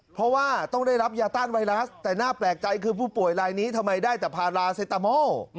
เพราะว่าต้องได้รับยาต้านไวรัสแต่น่าแปลกใจคือผู้ป่วยลายนี้ทำไมได้แต่พาราเซตามอล